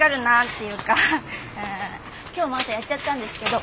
今日も朝やっちゃったんですけど。